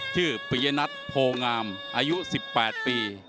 ชื่อปริยนัทโพงามอายุ๑๘ปี